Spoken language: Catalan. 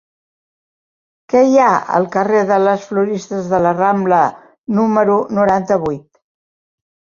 Què hi ha al carrer de les Floristes de la Rambla número noranta-vuit?